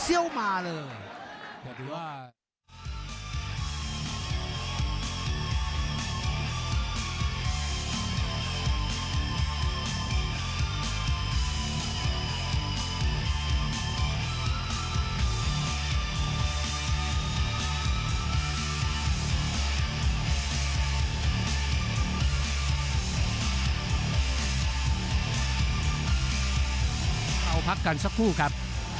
สวัสดีครับ